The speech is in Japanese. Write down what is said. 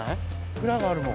蔵があるもん。